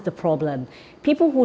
tapi itu adalah masalahnya